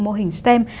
mô hình stem